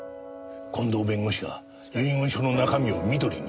近藤弁護士が遺言書の中身を美登里に？